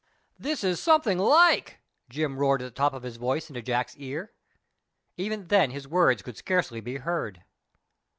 "This is something like!" Jim roared at the top of his voice into Jack's ear. Even then his words could scarcely be heard.